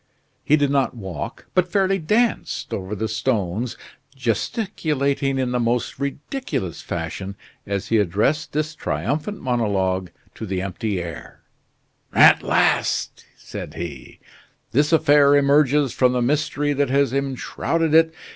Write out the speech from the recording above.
He did not walk, but fairly danced over the stones, gesticulating in the most ridiculous fashion as he addressed this triumphant monologue to the empty air: "At last," said he, "this affair emerges from the mystery that has enshrouded it.